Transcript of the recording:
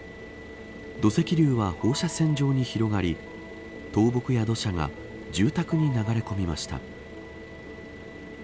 土石流は放射線状に広がり倒木や土砂が住宅に流れ込みました。